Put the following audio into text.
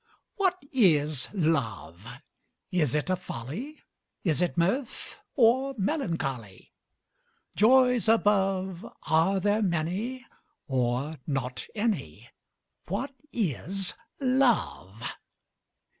WHAT is Love? Is it a folly, Is it mirth, or melancholy? Joys above, Are there many, or not any? What is Love?